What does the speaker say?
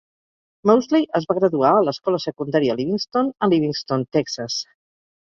Moseley es va graduar a l'escola secundària Livingston, a Livingston, Texas.